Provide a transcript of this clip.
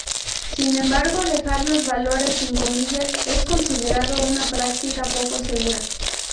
Sin embargo, dejar los valores sin comillas es considerado una práctica poco segura.